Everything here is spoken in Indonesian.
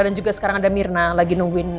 dan juga sekarang ada mirna lagi nungguin